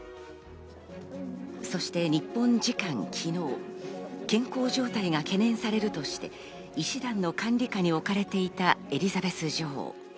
そして日本時間の昨日、健康状態が懸念されるとして、医師団の管理下に置かれていたエリザベス女王。